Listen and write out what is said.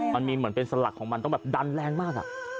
มันมีเหมือนเป็นสลักของมันต้องแบบดันแรงมาก